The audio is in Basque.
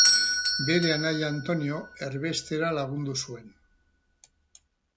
Bere anaia Antonio erbestera lagundu zuen.